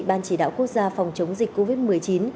ban chỉ đạo quốc gia phòng chống dịch covid một mươi chín